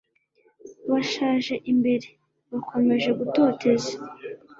bashaje imbere. bakomeje gutoteza